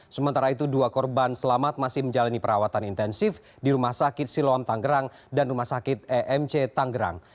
sementara itu dua korban selamat masih menjalani perawatan intensif di rumah sakit siloam tanggerang dan rumah sakit emc tanggerang